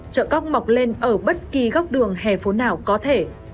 chợ cóc mọc lên ở bất kỳ góc đường hè phố nào có thể